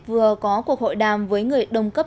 vừa có cuộc hội đàm với người đồng cấp